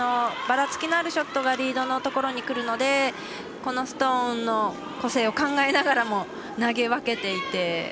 ばらつきのあるショットがリードのところにくるのでこのストーンの個性を考えながらも投げ分けていて。